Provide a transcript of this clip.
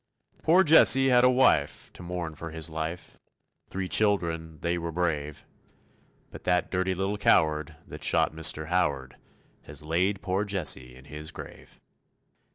Poor Jesse had a wife to mourn for his life, Three children, they were brave. But that dirty little coward that shot Mr. Howard Has laid poor Jesse in his grave.